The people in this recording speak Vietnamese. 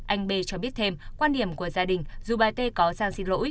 anh b cho biết thêm quan điểm của gia đình dù bà t có giao xin lỗi